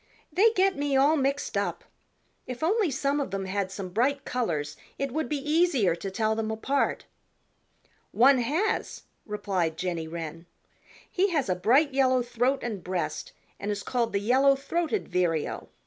"They get me all mixed up. If only some of them had some bright colors it would be easier to tell them apart." "One has," replied Jenny Wren. "He has a bright yellow throat and breast and is called the Yellow throated Vireo.